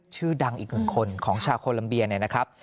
ชื่อดังอีกหนึ่งคนของชาวโคลัมเบียเนี่ยนะครับ